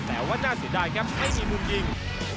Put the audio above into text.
แต่ว่าน่าเสียดายครับไม่มีมุมยิง